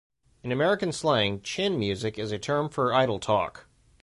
In American slang, chin music is a term for idle talk.